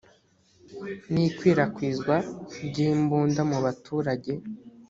n ikwirakizwa ry imbunda mu baturage